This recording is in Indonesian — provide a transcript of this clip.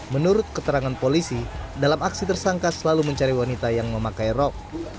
menurut keterangan polisi dalam aksi tersangka selalu mencari wanita yang memakai rok